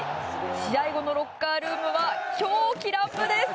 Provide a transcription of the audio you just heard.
試合後のロッカールームは狂喜乱舞です。